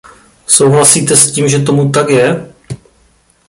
Souhlasíte s tím, že tomu tak je?